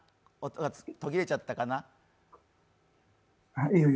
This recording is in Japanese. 音が途切れちゃったかな。